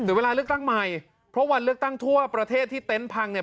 เวลาเลือกตั้งใหม่เพราะวันเลือกตั้งทั่วประเทศที่เต็นต์พังเนี่ย